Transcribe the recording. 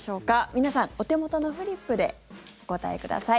皆さん、お手元のフリップでお答えください。